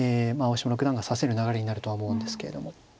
青嶋六段が指せる流れになるとは思うんですけれども。